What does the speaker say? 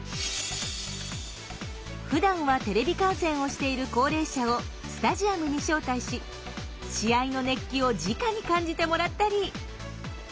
ふだんはテレビ観戦をしている高齢者をスタジアムに招待し試合の熱気をじかに感じてもらったり。